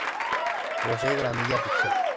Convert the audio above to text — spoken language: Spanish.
Posee gramilla artificial.